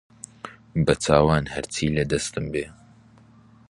بەچاوان هەرچی لە دەستم بێ